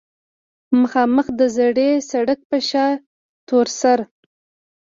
مخامخ د زړې سړک پۀ شا تورسر